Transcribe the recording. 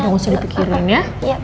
udah usah dipikirin ya